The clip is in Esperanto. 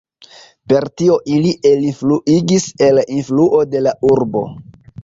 Per tio ili elinfluigis el influo de la urbo.